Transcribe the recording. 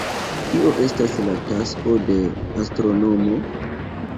Kio estas la tasko de astronomo?